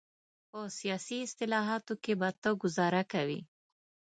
په سیاسي اصطلاحاتو کې به ته ګوزاره کوې.